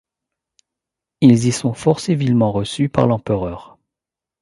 Ils y sont fort civilement reçus par l'empereur.